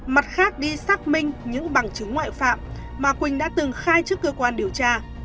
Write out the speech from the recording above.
mặt khác đi xác minh những bằng chứng ngoại phạm mà quỳnh đã từng khai trước cơ quan điều tra